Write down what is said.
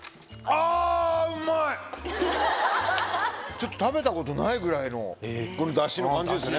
ちょっと食べたことないぐらいのダシの感じですね